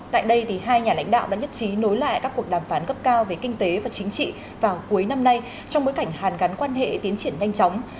tại đây hai nhà lãnh đạo đã nhất trí nối lại các cuộc đàm phán cấp cao về kinh tế và chính trị vào cuối năm nay trong bối cảnh hàn gắn quan hệ tiến triển nhanh chóng